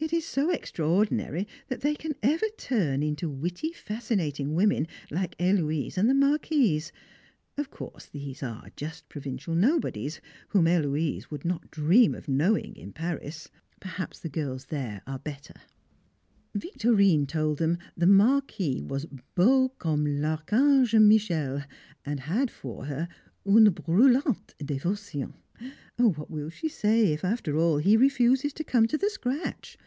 _ It is so extraordinary that they can ever turn into witty, fascinating women like Héloise and the Marquise. Of course, these are just provincial nobodies, whom Héloise would not dream of knowing in Paris; perhaps the girls there are better. [Sidenote: A Cure for a Fit] Victorine told them the Marquis was "Beau comme l'Archange Michel," and had for her "une brûlante dévotion!" What will she say if after all he refuses to come to the scratch!